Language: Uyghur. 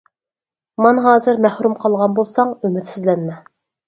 مانا ھازىر مەھرۇم قالغان بولساڭ، ئۈمىدسىزلەنمە.